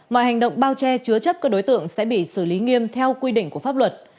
mọi hành động bao che chứa chấp các đối tượng sẽ bị xử lý nghiêm theo quy định của pháp luật